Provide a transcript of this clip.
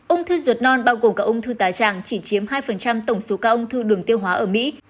ung thư ruột non bao gồm cả ung thư tài tràng chỉ chiếm hai tổng số ca ung thư đường tiêu hóa ở mỹ